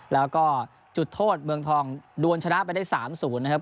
แล้วก็จุดโทษเมืองทองดวนชนะไปได้๓๐นะครับ